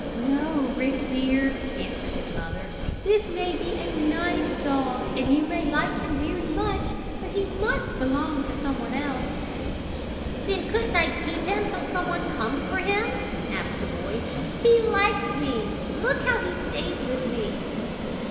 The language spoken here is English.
"No, Rick dear," answered his mother. "This may be a nice dog, and you may like him very much, but he must belong to someone else." "Then couldn't I keep him 'till someone comes for him?" asked the boy. "He likes me look how he stays with me."